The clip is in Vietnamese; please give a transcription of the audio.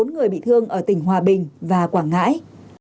bốn người bị thương ở tỉnh hòa bình và quảng ngãi